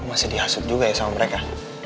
masih dihasut juga ya sama mereka